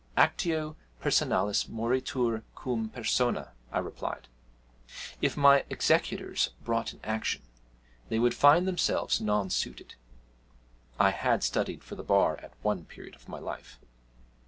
'Actio personalis moritur cum personâ,' I replied; 'if my executors brought an action, they would find themselves non suited.' (I had studied for the Bar at one period of my life.)